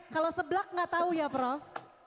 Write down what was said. kalau seblak nggak tahu ya prof